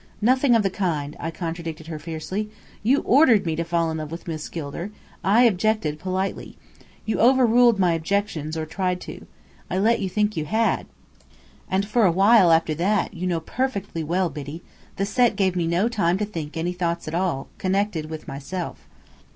"Nothing of the kind," I contradicted her fiercely. "You ordered me to fall in love with Miss Gilder. I objected politely. You overruled my objections, or tried to. I let you think you had. And for a while after that, you know perfectly well, Biddy, the Set gave me no time to think any thoughts at all, connected with myself."